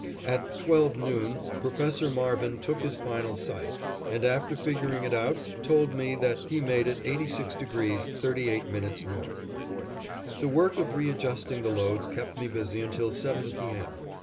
At twelve, noon, Professor Marvin took his final sight, and after figuring it out told me that he made it 86° 38' north. The work of readjusting the loads kept me busy until seven P. M.